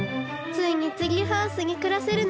ついにツリーハウスにくらせるのね。